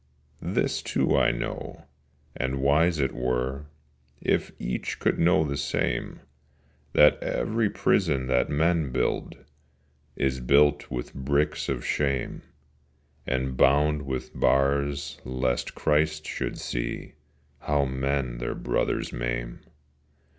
This too I know—and wise it were If each could know the same— That every prison that men build Is built with bricks of shame, And bound with bars lest Christ should see How men their brothers maim.